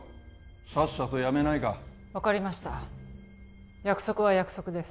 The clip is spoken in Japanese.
さっさと辞めないか分かりました約束は約束です